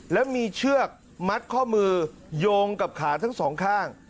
แล้วมีเชือกมัดข้อมือโยงกับขาทั้งสองข้าง